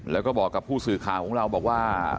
แล้วก็บอกกับผู้สื่อข่าวของเราบอกว่า